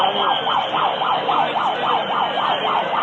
makanya belum baik